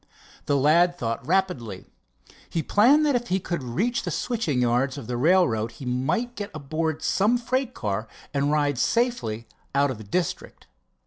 The lad thought rapidly. He planned that if he could reach the switching yards of the railroad, he might get aboard some freight car and ride safely out of the district.